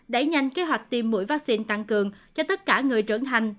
đẩy nhanh kế hoạch tiêm mũi vaccine tăng cường cho tất cả người trưởng thành